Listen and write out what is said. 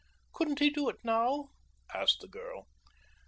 "Couldn't he do it now?" asked the girl.